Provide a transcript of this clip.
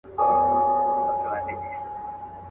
انار ګل د ارغنداو پر بګړۍ سپور سو.